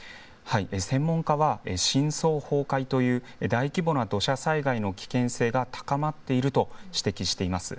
専門家は、深層崩壊という大規模な土砂災害の危険性が高まっていると指摘しています。